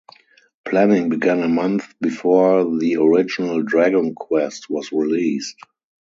Planning began a month before the original "Dragon Quest" was released.